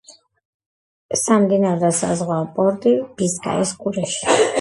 სამდინარო და საზღვაო პორტი ბისკაის ყურეში.